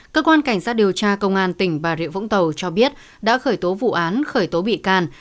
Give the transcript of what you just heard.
cơ quan cảnh sát điều tra công an tỉnh bà rịa vũng tàu cho biết đã khởi tố vụ án khởi tố bị can